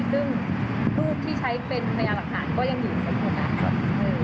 ซึ่งรูปที่ใช้เป็นรับบรรยากฐานก็ยังอยู่ซักคน